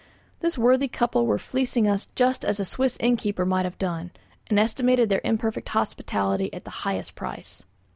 This worthy couple were fleecing us just as a Swiss innkeeper might have done, and estimated their imperfect hospitality at the highest price.